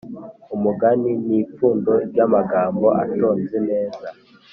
umugani n’ipfundo ry’amagambo atonze neza